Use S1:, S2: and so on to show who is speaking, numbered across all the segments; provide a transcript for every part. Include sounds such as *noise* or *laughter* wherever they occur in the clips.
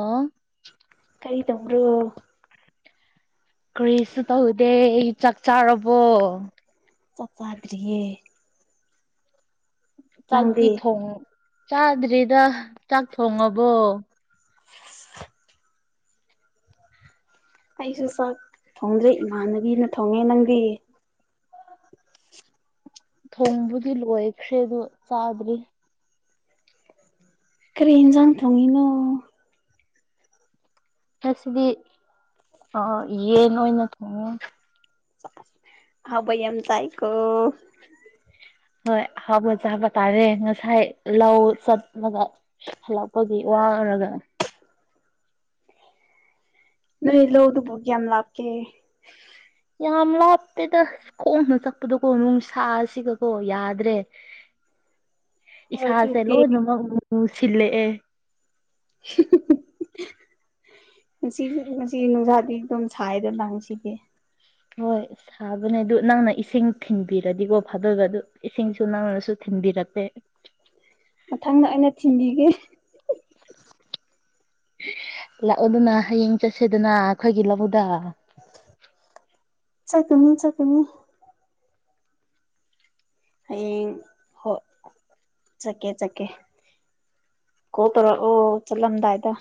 S1: ꯑꫭ
S2: ꯑꯔꯤ ꯇꯝꯈ꯭ꯔꫭ
S1: ꯀꯔꯤꯁꯨ ꯇꯧꯗꯦ ꯑꯩ ꯆꯥꯛ ꯆꯥꯔꯕꯣ
S2: ꯆꯥꯛ ꯆꯥꯗ꯭ꯔꯤꯌꯦ
S1: ꯆꯥꯛꯗꯤ
S2: ꯅꯪꯗꯤ
S1: ꯊꯣꯡ ꯆꯥꯗ꯭ꯔꯤꯗ ꯆꯥꯛ ꯊꯣꯡꯉꯕꯣ
S2: ꯑꯩꯁꯨ ꯆꯥꯛ ꯊꯣꯡꯖꯩ ꯏꯃꯥꯟꯅꯕꯤꯅ ꯊꯣꯡꯉꯦ ꯅꯪꯗꯤ
S1: ꯊꯣꯡꯕꯨꯗꯤ ꯂꯣꯏꯈ꯭ꯔꯦꯗ ꯆꯥꯗ꯭ꯔꯤ
S2: ꯀꯔꯤꯦꯟ ꯆꯪ ꯊꯣꯡꯤꯅꯣ
S1: ꯉꯁꯤꯗꯤ ꯑ ꯌꯦꯟ ꯑꯣꯏꯅ ꯊꯣꯡꯉꯦ
S2: ꯍꯥꯎꯕꯩ ꯑꯦꯝ ꯇꯥꯏꯀ
S1: ꯍꯣꯏ ꯍꯥꯎ ꯃꯖꯥꯕꯇꯥꯔꯦ ꯉꯁꯥꯏ ꯂꯧ ꯆꯠꯂꯒ ꯍꯂꯛꯄꯒꯤ ꯋꯥꯒ
S2: ꯅ ꯂꯣꯗꯕꯒ ꯑꯃ ꯂꯥꯞ ꯀ
S1: ꯌꯥꯝ ꯂꯥꯞꯇꯦꯗꯁ ꯀꯣꯡꯅ ꯆꯠꯄꯗꯀꯣ ꯅꯨꯡ ꯁꯥꯁꯤꯒꯀꯣ ꯌꯥꯗ꯭ꯔꯦ
S2: ꯍꯣꯏ
S1: ꯏꯁꯥꯁꯦ
S2: ꯑꯗꯨꯕꯨꯗꯤ
S1: ꯂꯣꯏꯅꯃꯛ ꯃꯨ ꯁꯤꯜꯂꯛꯑꯦ
S2: *unintelligible* ꯉꯁꯤ ꯉꯁꯤ ꯅꯨꯡꯁꯥꯗꯤ ꯑꯗꯨꯝ ꯁꯥꯏꯗꯅ ꯂꯥꯡꯁꯤꯗꯤꯦ
S1: ꯍꯣꯏ ꯁꯥꯕꯅꯦ ꯑꯗꯨ ꯅꯪꯅ ꯏꯁꯤꯡ ꯊꯤꯟꯕꯤꯔꯗꯤꯀꯣ ꯐꯥꯗꯣꯏꯒꯗꯨ ꯏꯁꯤꯡꯁꯨ ꯅꯪꯅꯁꯨ ꯊꯤꯟꯕꯤ ꯔꯠꯇꯦ
S2: ꯃꯊꯪꯗ ꯑꯩꯅ ꯊꯤꯟꯕꯤꯒꯦ
S1: ꯂꯥꯛꯑꯣ ꯑꯗꯨꯅ ꯍꯌꯦꯡ ꯆꯠꯁꯦꯗꯅ ꯑꯩꯈꯣꯏꯒꯤ ꯂꯧꯗ
S2: ꯆꯀꯅꯤ ꯆꯀꯅꯤ ꯑꯩ ꯍ ꯆꯀꯦ ꯆꯀꯦ ꯀꯣꯄꯔꯣ ꯑꯣ ꯆꯠꯂꯝꯗꯥꯏꯗ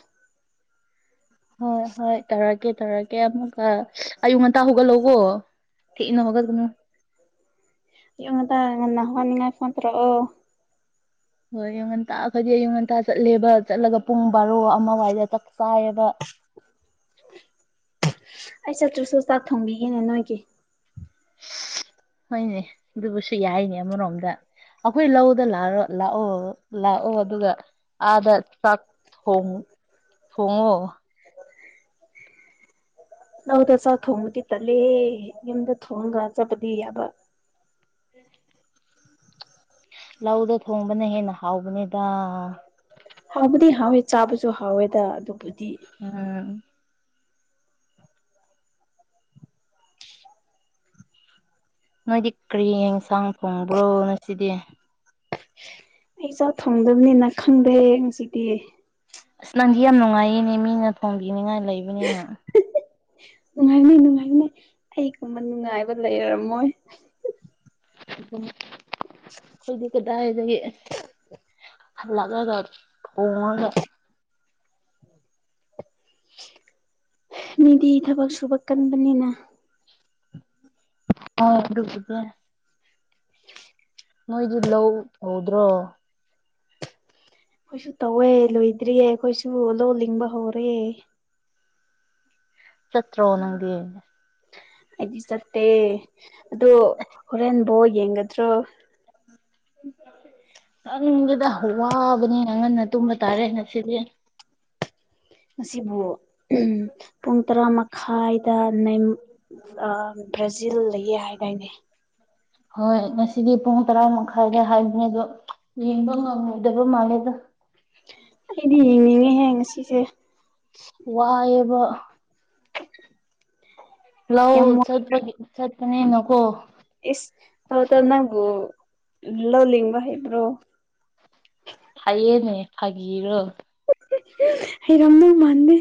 S1: ꯍꯣꯏ ꯍꯣꯏ ꯇꯥꯔꯛꯀꯦ ꯇꯥꯔꯛꯀꯦ ꯑꯃꯨꯛꯀ ꯑꯌꯨꯛ ꯉꯟꯇꯥ ꯍꯧꯒꯠꯂꯧꯕꯣ ꯏꯟꯅ ꯍꯒ ꯑꯗꯨꯅꯣ
S2: ꯉꯗ ꯅꯉꯅꯤꯡꯉꯥꯏ ꯐꯣꯟ ꯇꯔꯣ ꯑꯣ
S1: ꯍꯣꯏ ꯌꯨ ꯉꯟꯇꯥꯈꯗꯤ ꯑꯩꯌꯨ ꯉꯟꯇꯥ ꯆꯠꯂꯦꯕ ꯆꯠꯂꯒ ꯄꯨꯡ ꯕꯥꯔꯣ ꯑꯃꯋꯥꯏꯗ ꯆꯥꯛ ꯆꯥꯏꯌꯦꯕ *unintelligible*
S2: ꯑꯩ ꯆꯠꯇ꯭ꯔꯁꯨ ꯆꯥꯛ ꯊꯣꯡꯕꯤꯒꯦꯅꯦ ꯅꯣꯏꯒꯤ
S1: ꯍꯣꯏꯅꯦ ꯑꯗꯨꯕꯨꯁꯨ ꯌꯥꯏꯅꯦ ꯑꯃꯔꯣꯝꯗ ꯑꯩꯈꯣꯏ ꯂꯧꯗ ꯂꯥꯛꯔꯣ ꯂꯥꯛꯑꯣ ꯂꯥꯛꯑꯣ ꯑꯗꯨꯒ ꯑꯥꯗꯥꯛ ꯊꯣꯡꯉ ꯊꯣꯡꯉꯣ
S2: ꯅꯗ ꯆ ꯊ ꯍꯣꯡꯉꯇꯤ ꯇꯂꯦ ꯌꯦꯗ ꯊ ꯍꯣꯡꯉ ꯆꯄꯗꯤ ꯌꯥꯕ
S1: ꯎꯝ ꯂꯧꯗꯣ ꯊꯣꯡꯕꯅ ꯍꯦꯟꯅ ꯍꯥꯎꯕꯅꯤꯗ
S2: ꯍꯥꯎꯕꯗꯤ ꯍꯥꯎꯋꯦ ꯆꯥꯕꯁꯨ ꯍꯥꯎꯋꯦꯗ ꯑꯗꯨ
S1: ꯎꯝ ꯅꯣꯏꯗꯤ ꯀꯔꯤ ꯌꯦꯟꯁꯥꯡ ꯐꯣꯡꯕ꯭ꯔꯣ ꯅꯁꯤꯗꯤ
S2: ꯑꯩ ꯆꯥꯛ ꯊꯣꯡꯗꯕꯅꯤꯅ ꯈꯪꯗ꯭ꯔꯦꯌꯦ ꯉꯁꯤꯗꯤ
S1: ꯑꯁ ꯅꯪꯗꯤ ꯌꯥꯝ ꯅꯨꯡꯉꯥꯏꯌꯦꯅꯦ ꯃꯤꯅ ꯊꯣꯡꯕꯤꯅꯤꯉꯥꯏ ꯂꯩꯕꯅꯤꯅ
S2: ꯅꯨꯡꯉꯥꯏꯅꯩ ꯅꯨꯡꯉꯥꯏꯅꯩ ꯑꯩꯒꯨꯝꯕ ꯅꯨꯡꯉꯥꯏꯕ ꯂꯩꯔꯝꯃꯣꯏ
S1: ꯑꯗꯨꯝ ꯑꯩꯈꯣꯏꯗꯤ ꯀꯗꯥꯏꯒꯦ ꯑꯂꯒꯒ ꯊꯉꯒꯦ
S2: ꯃꯤꯗꯤ ꯊꯕꯛ ꯁꯨꯕ ꯀꯥꯟꯄꯅꯤꯅ
S1: ꯑꯗꯦ ꯅꯣꯏꯗ ꯂ ꯍꯧꯗ꯭ꯔꯣ
S2: ꯑꯩꯈꯣꯏꯁꯨ ꯇꯧꯋꯦ ꯂꯣꯏꯗ꯭ꯔꯤꯌꯦ ꯑꯩꯈꯣꯏꯁꯨ ꯂꯣ ꯂꯤꯡꯕ ꯍꯧꯔꯦ
S1: ꯆꯠꯇ꯭ꯔꯣ ꯑꯣꯅꯗꯤꯅꯦ
S2: ꯑꯩꯗꯤ ꯆꯠꯇꯦ ꯑꯗꯣ ꯍꯣꯔꯦꯟꯕꯣ ꯌꯦꯡꯒꯗ꯭ꯔꯣ
S1: ꯎ ꯅꯪꯗꯨꯗ ꯋꯥꯕꯅꯤꯅ ꯉꯟꯅ ꯇꯨꯝꯕ ꯇꯥꯔꯦ ꯉꯁꯤꯗꯤ
S2: ꯑꯁꯤꯕꯨ ꯄꯨꯡ ꯇꯔꯥ ꯃꯈꯥꯏꯗ ꯅ ꯕ꯭ꯔꯥꯖꯤꯜꯗꯌꯦ ꯍꯥꯏꯗꯥꯅꯦ
S1: ꯍꯣꯏ ꯉꯁꯤꯗꯤ ꯄꯨꯡ ꯇꯔꯥ ꯃꯈꯥꯏꯗ ꯍꯥꯏꯕꯅꯦ ꯑꯗꯣ ꯌꯦꯡꯕ ꯉꯝꯃꯣꯏꯗꯕ ꯃꯥꯜꯂꯦꯗ
S2: ꯑꯩꯗꯤ ꯌꯦꯡꯅꯤꯡꯉꯦꯍꯦ ꯉꯁꯤꯁꯦ
S1: ꯋꯥ ꯑꯦ ꯕ ꯂ
S2: ꯌꯥꯝ
S1: ꯆꯠꯄꯒꯤ ꯆꯠꯄꯅꯦ ꯅꯀꯣ
S2: ꯑꯦꯁ ꯇ ꯇ ꯅꯪꯕꯨꯣ ꯂꯂꯤꯕ ꯍꯥꯏꯕ꯭ꯔꯣ
S1: ꯍꯥꯏꯥꯏꯌꯦꯅꯦ ꯐꯥꯒꯤꯔꯣ
S2: ꯑꯩꯔꯝꯝꯕ ꯃꯥꯟꯗꯦ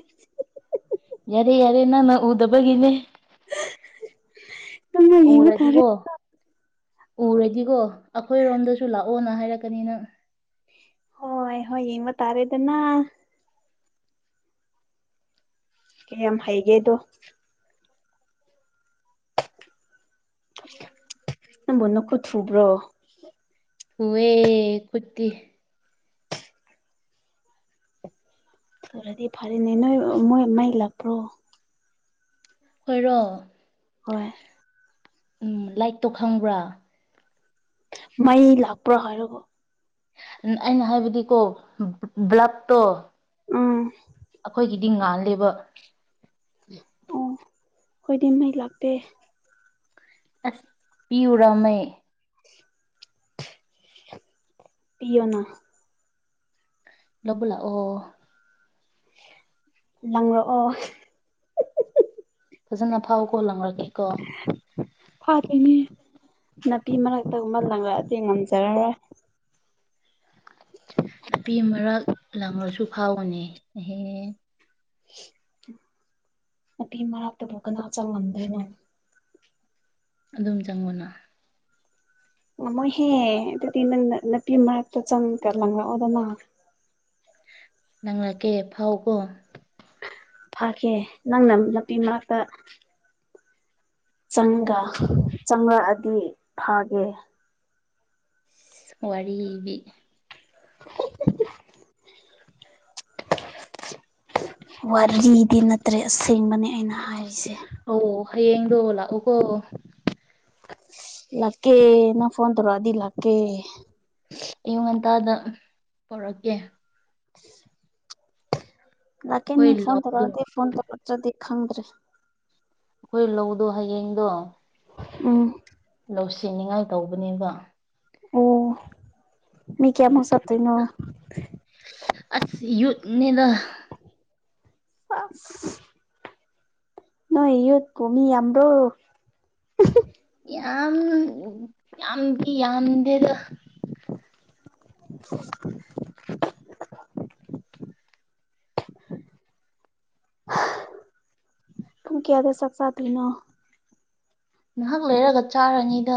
S1: ꯌꯥꯔꯦ ꯌꯥꯔꯦ ꯅꯪ ꯎꯗꯕꯒꯤꯅꯦ
S2: ꯅꯪꯅ ꯌꯦꯡꯕ ꯇꯥꯔꯦ
S1: ꯎꯔꯗꯤꯒꯣ ꯎꯔꯗꯤꯒꯣ ꯑꯩꯈꯣꯏꯔꯣꯝꯗꯁꯨ ꯂꯥꯛꯑꯣꯅ ꯍꯥꯏꯔꯛꯀꯅꯤꯅꯪ
S2: ꯍꯣꯏ ꯍꯣꯏ ꯌꯦ ꯃ ꯇꯥꯔꯦꯗꯅ ꯀ ꯌꯥꯝ ꯍꯩꯒꯦꯗꯣ ꯅ ꯃꯣꯟꯈꯠ ꯊꯨꯕ꯭ꯔꯣ
S1: ꯍꯋꯦ ꯀꯨꯠꯇꯤ
S2: ꯊꯔꯗꯤ ꯐꯔꯅꯦ ꯅꯣꯏ ꯃꯣꯏ ꯃꯥꯏꯂꯄ꯭ꯔꯣ
S1: ꯍꯣꯏꯔꯣ
S2: ꯍꯣꯏ
S1: ꯎꯝ ꯂꯥꯏꯔꯤꯛꯇꯣ ꯈꯪꯕ꯭ꯔꯥ
S2: ꯃꯥꯏ ꯂꯥꯛꯄ꯭ꯔ ꯍꯥꯏꯔꯔꯕꯣ
S1: ꯑꯩꯅ ꯍꯥꯏꯕꯗꯤꯀꯣ ꯕ꯭ꯂꯞꯇꯣ
S2: ꯎꯝ
S1: ꯗꯤ ꯉꯥꯂꯦꯕ
S2: ꯑꯣ ꯍꯣꯏꯗꯤꯝꯩ ꯂꯥꯛꯄꯦ
S1: ꯑꯁ ꯄꯤꯎꯔꯝꯃꯦ
S2: ꯄꯤꯌꯣꯅ
S1: ꯂꯧꯕꯂꯛ ꯑꯣ
S2: ꯂꯪꯔꯛꯑꯣ
S1: ꯐꯖꯅ ꯐꯥꯎ ꯀꯣꯂꯝꯔꯒꯦ ꯀꯣ
S2: ꯐꯥꯠꯇꯣꯏꯅꯦ ꯅꯨꯅꯥꯄꯤ ꯃꯔꯛꯇꯒꯨꯝꯕ ꯂꯪꯂꯛꯑꯗꯤ ꯉꯝꯖꯔꯔꯣꯏ
S1: ꯅꯨꯄꯤ ꯑꯃꯛ ꯂꯪꯉꯁꯨ ꯐꯥꯎꯕꯅꯦ ꯍꯍꯦ
S2: ꯍ *inaudible* ꯑꯄꯤ ꯃꯔꯥꯞꯇꯕꯨꯣꯛ ꯀꯅ ꯆꯪ ꯉꯗꯅꯣ
S1: ꯑꯗꯨꯝ ꯆꯪꯉꯨꯅ
S2: ꯃꯃ ꯍꯦ ꯑꯗꯨꯅ ꯅꯄꯤ ꯃꯛꯇ ꯆꯪ ꯇꯔ ꯂ ꯑꯣꯗꯅ
S1: ꯅꯪꯂꯉꯒꯦ ꯐꯥꯎꯀꯣ
S2: ꯐꯥꯈꯤ ꯅꯪꯅ ꯅꯨꯄꯤ ꯃꯅꯥꯛꯇ ꯆꯪꯒ ꯆꯪꯉꯛꯑꯗꯤ ꯐꯥꯒꯦ
S1: ꯋꯥꯔꯤꯕꯤ
S2: ꯋꯥꯔꯤꯗꯤ ꯅꯠꯇ꯭ꯔꯦ ꯑꯁꯦꯡꯕꯅꯤ ꯑꯩꯅ ꯍꯥꯏꯔꯤꯁꯦ
S1: ꯌꯦꯡꯡꯗꯣꯂ ꯑꯣꯀꯣ
S2: ꯂꯥꯛꯀꯦꯅ ꯐꯣꯟ ꯇꯧꯔꯗꯤ ꯂꯥꯛꯀꯦ
S1: ꯑꯌꯨꯛ ꯉꯟꯇꯥꯗ ꯄꯔꯛꯀꯦ
S2: ꯊ *inaudible* ꯂ
S1: ꯑꯩꯈꯣꯏ
S2: ꯀꯦꯅꯤ ꯐꯣꯟ
S1: ꯂꯧꯗꯣ
S2: ꯇꯔꯗꯦ ꯐꯣꯟ ꯇꯧꯔ ꯆꯗꯤ ꯈꯪꯗ꯭ꯔꯦ
S1: ꯑꯩꯈꯣꯏ ꯂꯧꯗꯣ ꯍꯌꯦꯡꯗꯣ
S2: ꯑ *unintelligible*
S1: ꯂꯧꯁꯤꯅꯤꯉꯥꯏ ꯇꯧꯕꯅꯦꯕ
S2: ꯑꯣ ꯃꯤ ꯀꯌꯥꯃꯁ ꯇꯣꯏꯅꯣ
S1: ꯑꯁ ꯌꯅꯤꯗ
S2: ꯑꯞ *inaudible* ꯅꯣꯏ ꯏꯌ ꯀꯃꯤ ꯑꯃ꯭ꯔꯣ
S1: ꯌꯥꯝ ꯌꯥꯝꯗꯤ ꯌꯥꯝꯗꯦꯗ *unintelligible*
S2: ꯄꯨꯡ ꯀꯌꯥꯗ ꯆꯥꯛ ꯆꯥꯗꯣꯏꯅꯣ
S1: ꯅꯍꯥꯛ ꯂꯩꯔꯒ ꯆꯥꯔꯅꯤꯗ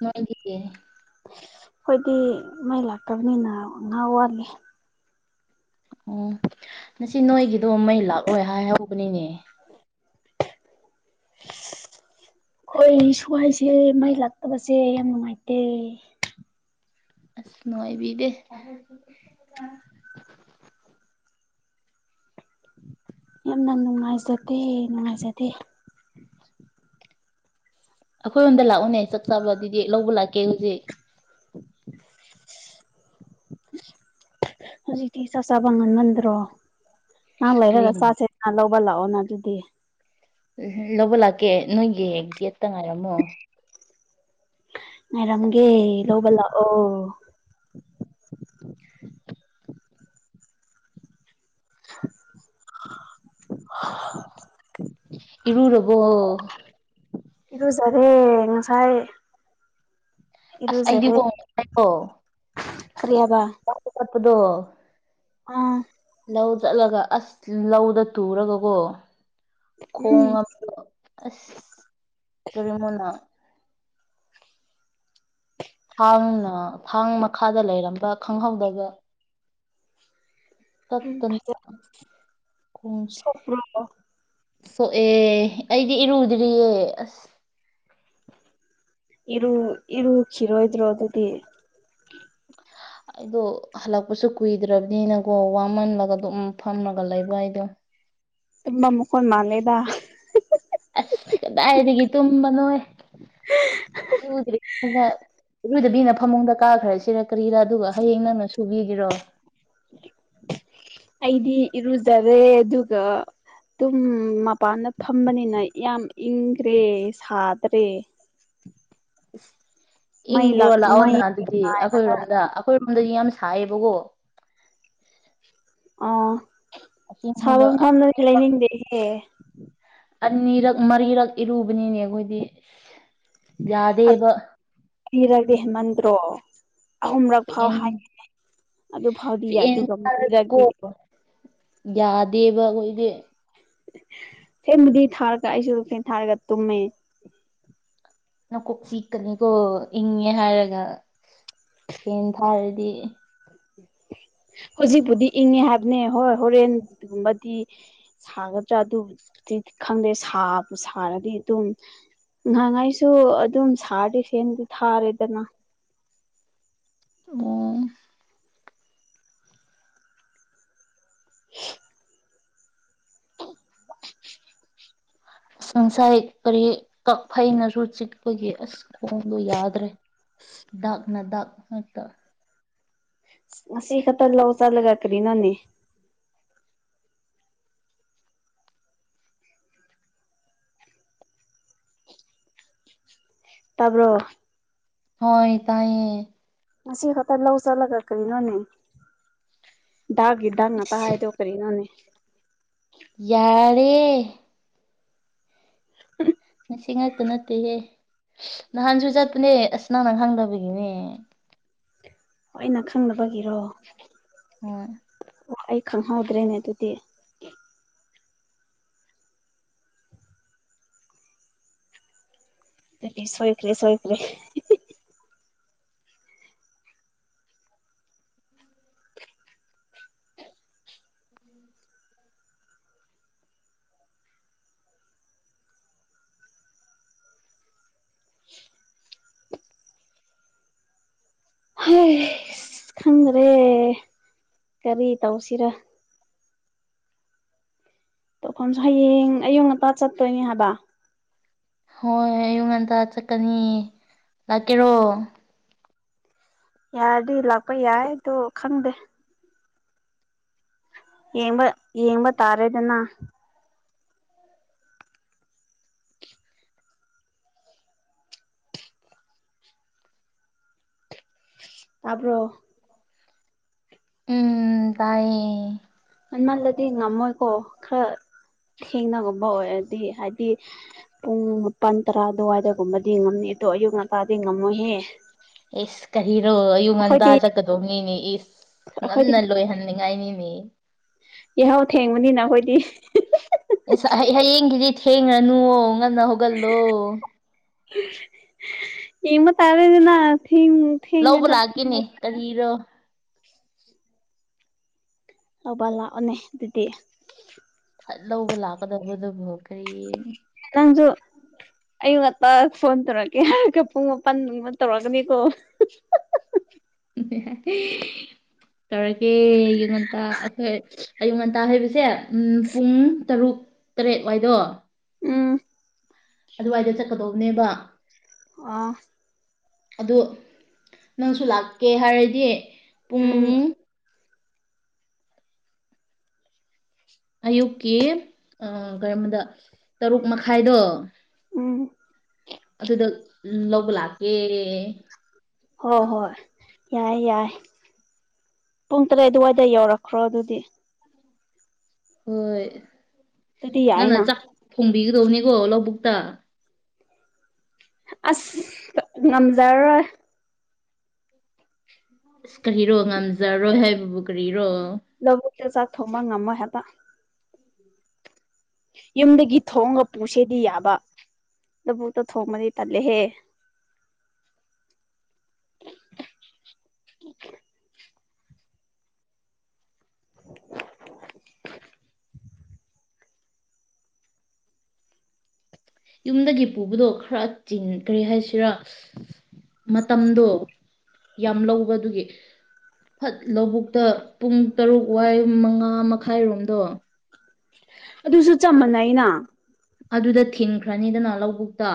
S1: ꯅꯣꯏꯒꯤ
S2: ꯍꯣꯏꯗꯤ ꯃꯩ ꯂꯥꯛꯇꯕꯅꯤꯅ ꯉꯍꯥꯛ ꯋꯥꯠꯂꯤ
S1: ꯑꯣ ꯉꯁꯤ ꯅꯣꯏꯒꯤꯗꯣ ꯃꯩ ꯂꯥꯛꯂꯣꯏ ꯍꯥꯏꯍꯧꯕꯅꯤꯅꯦ *unintelligible*
S2: ꯑꯈꯣꯏ ꯁ꯭ꯋꯥꯏꯁꯦ ꯃꯩ ꯂꯥꯛꯇꯕꯁꯦ ꯌꯥꯝ ꯅꯨꯡꯉꯥꯏꯇꯦ
S1: ꯑꯁ ꯅꯨꯡꯉꯥꯏꯕꯤꯗꯦ *unintelligible*
S2: ꯌꯥꯝꯅ ꯅꯨꯡꯉꯥꯏꯖꯗꯦ ꯅꯨꯡꯉꯥꯏꯖꯗꯦ
S1: *unintelligible* ꯑꯈꯣꯏꯔꯣꯝꯗ ꯂꯥꯛꯎꯅꯦ ꯆꯥꯛ ꯆꯥꯕ ꯑꯗꯨꯗꯤ ꯂꯧꯕ ꯂꯥꯛꯀꯦ ꯍꯨꯖꯤꯛ
S2: ꯍꯧꯖꯤꯛꯇꯤ ꯆꯥꯛ ꯆꯥꯕ ꯉꯟꯃꯟꯗ꯭ꯔꯣ ꯉꯍꯥꯛ
S1: ꯀꯔꯤ
S2: ꯂꯩꯔꯒ ꯆꯥꯁꯦꯅ ꯂꯧ ꯕ ꯂꯥꯛꯑꯣꯅ ꯑꯗꯨꯗꯤ
S1: *unintelligible* ꯂꯧꯕ ꯂꯥꯛꯀꯦ ꯅꯣꯏꯒꯤ ꯒꯦꯠꯇ ꯉꯥꯏꯔꯝꯃꯣ
S2: ꯉꯥꯏꯔꯝꯒꯦ ꯂꯧꯕ ꯂꯥꯛꯑꯣ *unintelligible*
S1: ꯏꯔꯨꯔꯕꯣ
S2: ꯏꯔꯨꯖꯔꯦ ꯉꯁꯥꯏ
S1: ꯑꯁ ꯑꯩꯗꯤ
S2: ꯏꯔꯨꯖꯔꯦ
S1: *unintelligible*
S2: ꯀꯔꯤ ꯍꯥꯏꯕ
S1: ꯑꯗꯣ
S2: ꯑꯥ
S1: ꯂꯧ ꯆꯠꯂꯒ ꯑꯁ ꯂꯧꯗ ꯇꯨꯔꯒꯀꯣ
S2: ꯎꯝ
S1: ꯈꯣꯡꯉꯕꯗꯣ ꯑꯁ ꯀꯔꯤꯃꯣꯅ ꯊꯥꯡꯅ ꯊꯥꯡ ꯃꯈꯥꯗ ꯂꯩꯔꯝꯕ ꯈꯪꯍꯧꯗꯕ ꯇꯠ
S2: ꯎꯝ
S1: ꯇꯅ
S2: ꯐꯖ
S1: ꯈꯣꯡ
S2: ꯁꯣꯛꯄ꯭ꯔꯣ
S1: ꯁꯣꯛꯑꯦ ꯑꯩꯗꯤ ꯏꯔꯨꯗ꯭ꯔꯤꯌꯦ ꯑꯁ
S2: ꯏꯔꯨ ꯏꯔꯨ ꯈꯤꯔꯣꯏꯗ꯭ꯔꯣ ꯑꯗꯨꯗꯤ
S1: ꯑꯩꯗꯣ ꯍꯜꯂꯛꯄꯁꯨ ꯀꯨꯏꯗ꯭ꯔꯕꯅꯤꯅꯀꯣ ꯋꯥꯃꯜꯂꯒ ꯑꯗꯨꯝ ꯐꯝꯃꯒ ꯂꯩꯕ ꯑꯩꯗꯣ *unintelligible*
S2: ꯇꯨꯝꯕ ꯃꯈꯣꯟ ꯃꯥꯂꯦꯗ
S1: ꯑꯁ ꯀꯗꯥꯏꯗꯒꯤ ꯇꯨꯝꯕꯅꯣꯍꯦ ꯏꯔꯨꯗ꯭ꯔꯤ ꯑꯩꯅ ꯏꯔꯨꯗꯕꯤꯅ ꯐꯃꯨꯡꯗ ꯀꯥꯈ꯭ꯔꯁꯤꯔ ꯀꯔꯤꯔ ꯑꯗꯨꯒ ꯍꯌꯦꯡ ꯅꯪꯅ ꯁꯨꯕꯤꯒꯦꯔꯣ *unintelligible*
S2: ꯑꯩꯗꯤ ꯏꯔꯨꯖꯔꯦ ꯑꯗꯨꯒ ꯑꯗꯨꯝ ꯃꯄꯥꯟꯗ ꯐꯝꯕꯅꯤꯅ ꯌꯥꯝ ꯏꯪꯈ꯭ꯔꯦ ꯁꯥꯗ꯭ꯔꯦ ꯃꯩ
S1: ꯏꯪꯕ꯭ꯔꯣ
S2: ꯂꯥꯛ ꯃꯩ
S1: ꯂꯥꯛꯑꯣꯅ ꯑꯗꯨꯗꯤ ꯑꯈꯣꯏꯔꯣꯝꯗ ꯑꯈꯣꯏ *unintelligible* ꯌꯥꯝ ꯁꯏꯌꯦꯕꯒꯣ
S2: ꯑꯣ ꯁꯥꯕ
S1: ꯑꯁꯤꯗ
S2: ꯃꯐꯝꯗꯗꯤ ꯂꯩꯅꯤꯡꯗꯦꯍꯦ
S1: ꯑꯅꯤꯔꯛ ꯃꯔꯤꯔꯛ ꯏꯔꯨꯕꯅꯤꯅꯦ ꯑꯈꯣꯏꯗꯤ
S2: ꯑ ꯏꯔꯒꯦ ꯍꯦꯟꯃꯟꯗ꯭ꯔꯣ ꯑꯍꯨꯝꯔꯛ ꯐꯥꯎ
S1: ꯐꯦꯟ
S2: ꯍꯥꯏ ꯑꯗꯨ ꯐꯥꯎꯗꯤ
S1: ꯐꯦꯟ
S2: ꯑꯗꯨꯒ
S1: ꯊꯥꯔꯁꯨꯀꯣ
S2: ꯂꯨꯔꯗꯤ
S1: ꯌꯥꯗꯦꯕ ꯑꯈꯣꯏꯒꯤ
S2: ꯐꯦꯟ ꯕꯨꯗꯤ ꯊꯥꯔꯒ ꯑꯩꯁꯨ ꯐꯦꯟ ꯊꯥꯔꯒ ꯇꯨꯝꯃꯦ
S1: ꯅꯀꯣꯛ ꯆꯤꯛꯀꯅꯤꯀꯣ ꯏꯪꯉꯦ ꯍꯥꯏꯔꯒ ꯐꯦꯟ ꯊꯥꯔꯗꯤ
S2: ꯍꯧꯖꯤꯛꯄꯨꯗꯤ ꯏꯪꯉꯦ ꯍꯥꯏꯕꯅꯦ ꯍꯣꯏ ꯍꯣꯔꯦꯟ ꯒꯨꯝꯕꯗꯤ ꯁꯥꯒꯗ꯭ꯔꯥ ꯑꯗꯨ ꯈꯪꯗꯦ ꯁꯥꯔꯗꯤ ꯑꯗꯨꯝ ꯉꯍꯥꯏꯉꯥꯏꯁꯨ ꯑꯗꯨꯝ ꯁꯥꯗꯤ ꯁꯦꯝꯦꯟꯗꯤ ꯊꯥꯔꯦꯗꯅ
S1: ꯑꯣ
S2: *unintelligible*
S1: *unintelligible* ꯁꯪꯁꯥꯏ ꯀꯔꯤ ꯀꯛ ꯐꯩꯅꯁꯨꯨ ꯆꯤꯛꯄꯒꯤ ꯑꯁ ꯈꯣꯡꯗꯣ ꯌꯥꯗ꯭ꯔꯦ ꯗꯥꯛꯅ ꯗꯥꯛ ꯍꯛꯇ
S2: ꯁꯤ ꯈꯇꯂ ꯆꯂꯒ ꯀꯔꯤ ꯅꯅꯦ ꯇꯕꯣ
S1: ꯍꯣꯏ ꯇꯥꯏꯌꯦꯦ
S2: ꯉꯁꯤ ꯈꯛꯇ ꯂꯧ ꯆꯠꯂꯒ ꯀꯔꯤꯅꯣꯅꯦ ꯗꯥꯒ ꯗꯥꯒꯥ ꯇꯥ
S1: ꯏꯁ
S2: ꯍꯥꯏꯗꯣ ꯀꯔꯤꯅꯦ
S1: ꯌꯥꯔꯦ
S2: ꯎ
S1: ꯉ ꯁꯤ ꯉꯥꯛꯇ ꯅꯠꯇꯦꯍꯦ ꯅꯍꯥꯟꯁꯨ ꯆꯠꯄꯅꯦ ꯑꯁ ꯅ ꯅꯪ ꯈꯪꯗꯕꯒꯤꯅꯦ
S2: ꯑꯩꯅ ꯈꯪꯅꯕꯒꯤꯔꯣ
S1: ꯍꯣꯏ
S2: ꯑꯩ ꯈꯪꯍꯧꯗ꯭ꯔꯦꯅꯦ ꯑꯗꯨꯗꯤ ꯑ ꯁꯣꯏꯈ꯭ꯔꯦ ꯁꯣꯏꯈ꯭ꯔꯦ ꯍꯣꯏ ꯑꯁ ꯈꯪꯗ꯭ꯔꯦ ꯀꯔꯤ ꯇꯧꯁꯤꯔ ꯇꯧꯐꯝꯁꯨ ꯍꯌꯦꯡ ꯑꯌꯛ ꯑꯄꯥ ꯆꯠꯇꯣꯏꯅꯦ ꯍꯥꯏꯕ
S1: ꯍꯣꯏ ꯑꯌꯨꯛ ꯉꯟꯇꯥ ꯆꯠꯀꯅꯤ ꯂꯥꯛꯀꯦꯔꯣ
S2: ꯌꯥꯔꯗꯤ ꯂꯥꯛꯄ ꯌꯥꯏꯗꯣ ꯈꯪꯗꯦ ꯌꯦꯡꯕ ꯌꯦꯡꯕ ꯇꯥꯔꯦꯗꯅ ꯇꯄꯣ
S1: ꯎꯝ ꯇꯥꯏꯌꯦ
S2: ꯃꯟꯃꯜꯂꯗꯤ ꯉꯝꯃꯣꯏꯀꯣ ꯈꯔ ꯊꯦꯡꯅꯒꯨꯝꯕ ꯑꯣꯏꯔꯗꯤ ꯍꯥꯏꯗꯤ ꯄꯨꯡ ꯃꯥꯄꯜ ꯇꯔꯥ ꯑꯗꯨꯋꯥꯏꯗꯒꯨꯝꯕꯗꯤ ꯉꯝꯅꯤ ꯑꯗꯣ ꯑꯌꯨꯛ ꯉꯟꯇꯥꯗꯤ ꯉꯝꯃꯣꯏꯍꯦ
S1: ꯏꯁꯁ ꯀꯔꯣ ꯑꯌꯨꯛ
S2: ꯑꯩꯈꯣꯏꯗꯤ
S1: ꯉꯟꯇꯥ ꯆꯠꯀꯗꯧꯅꯤꯅꯦ ꯏꯁ ꯉꯝꯟꯅ ꯂꯣꯏꯍꯟꯅꯤꯡꯉꯥꯏꯅꯤ
S2: ꯌꯥꯍꯥꯎ ꯊꯦꯡꯕꯅꯤꯅ ꯑꯩꯈꯣꯏꯗꯤ
S1: ꯍꯦꯡꯉꯅꯨ ꯎ ꯉꯟꯅ ꯍꯒꯜꯂꯣ
S2: ꯏ ꯃ ꯇꯔꯗꯅ ꯊꯤ ꯊꯤ
S1: ꯂꯧꯕ ꯂꯥꯛꯀꯦꯅꯦ ꯀꯔꯤꯔꯣ
S2: ꯂꯧꯕ ꯂꯥꯛꯑꯣꯅꯦ ꯑꯗꯨꯗꯤ
S1: ꯐꯠ ꯂꯧꯕ ꯂꯥꯛꯀꯗꯧꯕꯗꯨꯕꯨ ꯀꯔꯤ
S2: ꯇꯟꯖꯨ ꯑꯌꯨ ꯉꯇ ꯐꯣꯟ ꯇꯧꯔꯛꯀꯦ ꯍꯥꯏ ꯄꯨꯡ ꯃꯥꯄꯜꯃ ꯇꯧꯔꯛꯀꯅꯤꯀꯣ
S1: ꯦ ꯇꯧꯔꯀꯦ ꯑꯌꯨ ꯉꯟꯇꯥ ꯑꯩꯈꯣꯏ ꯑꯌꯨ ꯉꯟꯇꯥ ꯍꯥꯏꯩꯕꯁꯦ ꯎ ꯄꯨꯡ ꯇꯔꯨꯛ ꯇꯔꯦꯠ ꯋꯥꯏꯗꯣ
S2: ꯎꯝ
S1: ꯑꯗꯨꯋꯥꯏꯗ ꯆꯠꯀꯗꯧꯕꯅꯦꯕ
S2: ꯑ
S1: ꯑꯗꯨ ꯅꯪꯁꯨ ꯂꯥꯛꯀꯦ ꯍꯥꯏꯔꯗꯤ ꯄꯨꯡ
S2: ꯎꯝ
S1: ꯑꯌꯨꯛꯀꯤ ꯀꯩꯅꯝꯕꯗ ꯇꯔꯨꯛ ꯃꯈꯥꯏꯗꯣ
S2: ꯎꯝ
S1: ꯑꯗꯨꯗ ꯂꯧꯕ ꯂꯥꯛꯀꯦ
S2: ꯍꯣꯏ ꯍꯣꯏ ꯌꯥꯏ ꯌꯥꯏ ꯄꯨꯡ ꯇꯔꯦꯠ ꯑꯗꯨꯋꯥꯏꯗ ꯌꯧꯔꯛꯈ꯭ꯔꯣ ꯑꯗꯨꯗꯤ
S1: ꯍꯣꯏ
S2: ꯑꯗꯨꯗꯤ
S1: ꯅꯪꯅ
S2: ꯌꯥꯏꯅ
S1: ꯆꯥꯛ ꯊꯣꯡꯕꯤꯒꯗꯧꯅꯤꯀꯣ ꯂꯧꯕꯨꯛꯇ
S2: ꯑꯁ ꯉꯝꯖꯥ
S1: ꯑꯁ ꯀꯔꯤꯔꯣ ꯉꯝꯖꯔꯣꯏ ꯍꯥꯏꯕꯕꯨ ꯀꯔꯤꯔꯣ
S2: ꯂꯕꯨꯇ ꯆꯊꯣꯃ ꯉꯃ ꯇ ꯌꯨꯝꯗꯒꯤ ꯊꯣꯡꯉ ꯄꯨꯁꯦꯗꯤ ꯌꯥꯕ ꯂꯕꯨꯛꯇ ꯊꯣꯡꯃꯗꯤ ꯇꯜꯂꯦꯍꯦ
S1: *unintelligible*
S2: ꯦ
S1: ꯌꯨꯝꯗꯒꯤ ꯄꯨꯕꯗꯣ ꯈꯔ ꯆꯤꯟ ꯀꯔꯤ ꯍꯥꯏꯁꯤꯔꯥ ꯃꯇꯝꯗꯣ ꯌꯥꯝ ꯂꯧꯕ ꯑꯗꯨꯒꯤ ꯐꯠ ꯂꯧꯕꯨꯛꯇ ꯄꯨꯡ ꯇꯔꯨꯛ ꯋꯥꯏ ꯃꯉꯥ ꯃꯈꯥꯏꯔꯣꯝꯗꯣ
S2: ꯑꯗꯨꯁꯨ ꯆꯝ ꯃꯅ ꯑꯩꯅ
S1: ꯑꯗꯨꯗ ꯊꯤꯟꯈ꯭ꯔꯅꯤꯗꯅ ꯂꯧꯕꯨꯛꯇ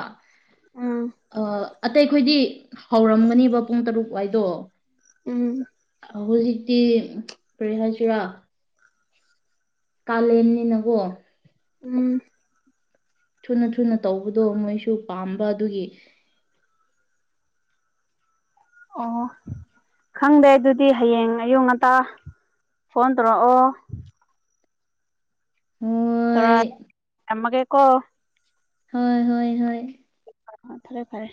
S2: ꯎꯝ
S1: ꯑ ꯑꯇꯩ ꯑꯩꯈꯣꯏꯗꯤ ꯍꯧꯔꯝꯒꯅꯤꯕ ꯄꯨꯡ ꯇꯔꯨꯛ ꯋꯥꯏꯗꯣ
S2: ꯎꯝ
S1: ꯍꯧꯖꯤꯛꯇꯤ ꯀꯔꯤ ꯍꯥꯏꯁꯤꯔꯥ ꯀꯥꯂꯦꯟꯅꯤꯅꯀꯣ
S2: ꯎꯝ
S1: ꯊꯨꯅ ꯊꯨꯅ ꯇꯧꯕꯗꯣ ꯃꯣꯏꯁꯨ ꯄꯥꯝꯕ ꯑꯗꯨꯒꯤ
S2: ꯑꯣ ꯈꯪꯗꯦ ꯑꯗꯨꯗꯤ ꯍꯌꯦꯡ ꯑꯌꯨꯛ ꯉꯇꯥ ꯐꯣꯟ ꯇꯧꯔꯛꯑꯣ ꯇꯔ
S1: ꯍꯣꯏ
S2: ꯊꯃꯒꯦ ꯀꯣ
S1: ꯍꯣꯏ ꯍꯣꯏ ꯍꯣꯏ
S2: ꯐꯔꯦ ꯐꯔꯦ